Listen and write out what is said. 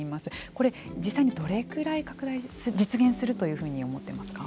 これ、実際にどれぐらい実現するというふうに思っていますか。